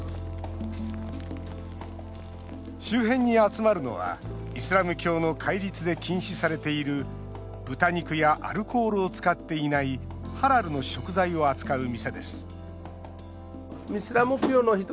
周辺に集まるのは、イスラム教の戒律で禁止されている豚肉やアルコールを使っていないハラルの食材を扱う店です